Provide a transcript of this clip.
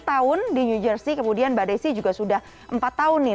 tujuh tahun di new jersey kemudian mbak desi juga sudah empat tahun nih